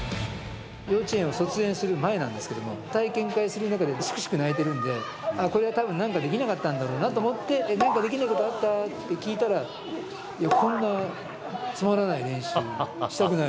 幼稚園を卒園する前なんですけども、体験会する中で、しくしく泣いてるんで、ああ、これはたぶん、なんかできなかったんだろうなと思って、なんかできないことあった？って聞いたら、いや、こんなつまらない練習したくない。